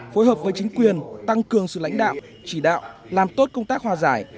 phối hợp với chính quyền tăng cường sự lãnh đạo chỉ đạo làm tốt công tác hòa giải